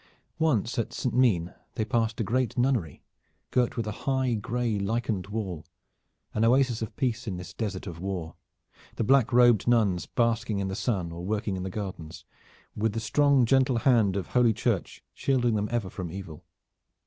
Once at St. Meen they passed a great nunnery, girt with a high gray lichened wall, an oasis of peace in this desert of war, the black robed nuns basking in the sun or working in the gardens, with the strong gentle hand of Holy Church shielding them ever from evil.